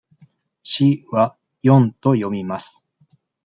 「四」は「よん」と読みます。